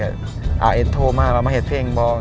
เอ๊ะเอ็ดโทมาบ้างมาแฮดเพลงบ้าง